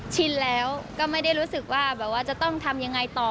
ชินแล้วก็ไม่ได้รู้สึกว่าแบบว่าจะต้องทำยังไงต่อ